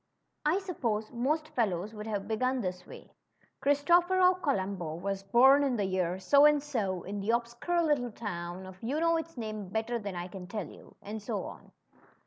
I suppose most fellows would have begun this way: Christophero Columbo was born in the year so and so, in the obscure little town of you know its name better than I can tell you," and so on.